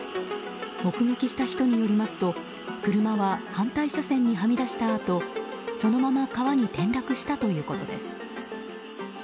目撃した人によりますと車は、反対車線にはみ出したあとそのまま川に転落したということです。